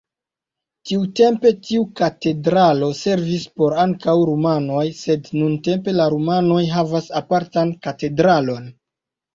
Tiutempe tiu katedralo servis por ankaŭ rumanoj, sed nuntempe la rumanoj havas apartan katedralon.